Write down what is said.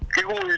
cái gùi trước